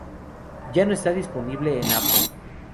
Ya no está disponible en Apple.